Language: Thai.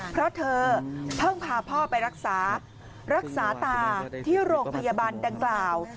เพราะเธอเพิ่งพาพ่อไปรักษารักษาตาที่โรงพยาบาลดังกล่าว